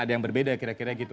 ada yang berbeda kira kira gitu